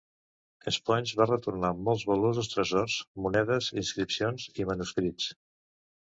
Sponge va retornar molts valuosos tresors, monedes, inscripcions i manuscrits.